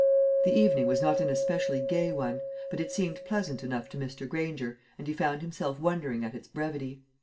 The evening was not an especially gay one; but it seemed pleasant enough to Mr. Granger, and he found himself wondering at its brevity.